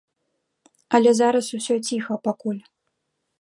Але зараз усё ціха пакуль.